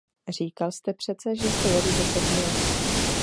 Říkal jste přece, že jste jeli deset mil.